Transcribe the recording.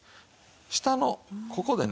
下のここでね。